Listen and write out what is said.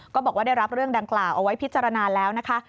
ก็บอกว่าได้รับเรื่องดังกล่าวเอาไว้พิจารณาแล้วนะคะ